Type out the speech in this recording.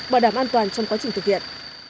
bảo đảm an toàn trong quá trình thực hiện